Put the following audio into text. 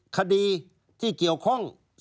คดีที่เกี่ยวข้อง